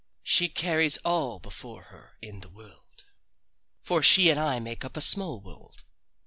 She carries all before her in the world. For she and I make up a small world.